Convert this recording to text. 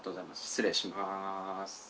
失礼しまーす。